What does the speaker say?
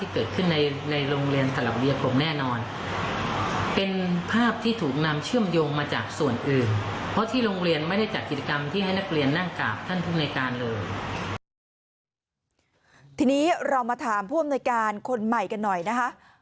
ทีนี้เรามาถามผู้อำนวยการคนใหม่กันหน่อยนะคะ